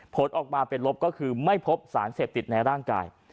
ผลออกมาเป็นลบก็คือไม่พบสารเสพติดในร่างกาย